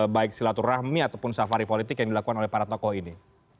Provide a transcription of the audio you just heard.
baik silaturahmi ataupun safari politik yang dilakukan oleh para tokoh ini